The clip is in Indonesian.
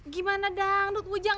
gimana dangdut bu jang